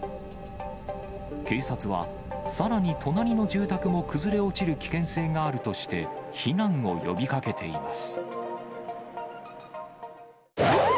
警察は、さらに隣の住宅も崩れ落ちる危険性があるとして、避難を呼びかけています。